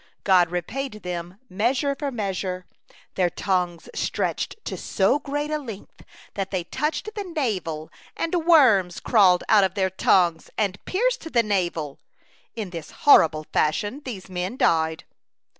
God repaid them measure for measure. Their tongues stretched to so great a length that they touched the navel; and worms crawled out of their tongues, and pierced the navel; in this horrible fashion these men died.